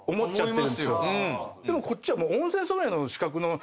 でもこっちはもう。